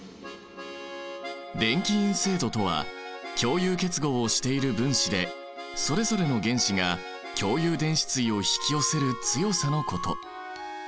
電気陰性度とは共有結合をしている分子でそれぞれの原子が共有電子対を引き寄せる強さのこと。